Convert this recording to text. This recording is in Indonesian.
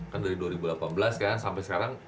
kan dari dua ribu delapan belas kan sampai sekarang